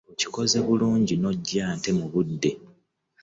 Kikoze bulungi n'ojja ate mu budde.